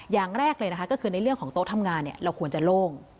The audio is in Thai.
อย่างแรกเลยนะคะก็คือในเรื่องของโต๊ะทำงานเราควรจะโล่ง